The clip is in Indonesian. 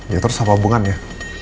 ya terus apa hubungannya